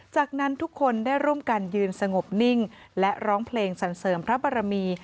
จากนั้นทุกคนได้ร่วมกันยืนสงบนิ่งและร้องเพลงสรรเสริมพระบรมี